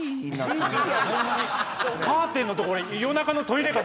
カーテンのとこ。